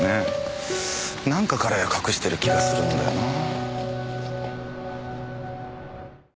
何か彼隠している気がするんだよなあ。